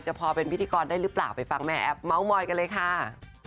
พอเป็นพิธีกรได้หรือเปล่าไปฟังแม่แอฟเมาส์มอยกันเลยค่ะ